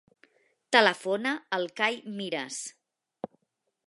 Telefona al Kai Miras.